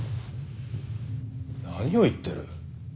何を言ってる？